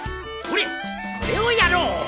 ほれこれをやろう。